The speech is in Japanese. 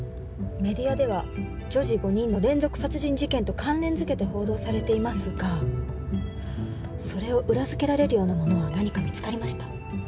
メディアでは女児５人の連続殺人事件と関連づけて報道されていますがそれを裏づけられるようなものは何か見つかりました？